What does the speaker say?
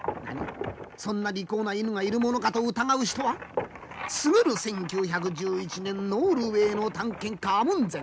そんな利口な犬がいるものかと疑う人は過ぐる１９１１年ノルウェーの探検家アムンゼン。